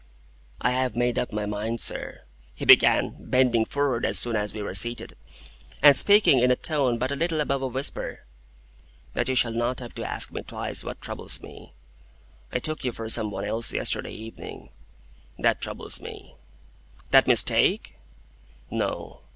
"I have made up my mind, sir," he began, bending forward as soon as we were seated, and speaking in a tone but a little above a whisper, "that you shall not have to ask me twice what troubles me. I took you for some one else yesterday evening. That troubles me." "That mistake?" "No.